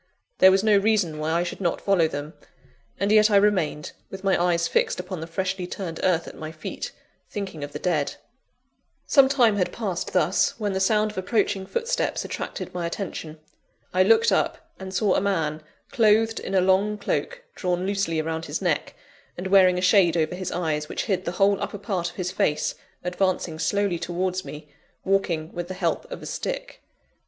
There was no reason why I should not follow them; and yet I remained, with my eyes fixed upon the freshly turned earth at my feet, thinking of the dead. Some time had passed thus, when the sound of approaching footsteps attracted my attention. I looked up, and saw a man, clothed in a long cloak drawn loosely around his neck, and wearing a shade over his eyes, which hid the whole upper part of his face, advancing slowly towards me, walking with the help of a stick.